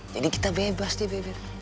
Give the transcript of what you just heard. jadi kita bebas deh beb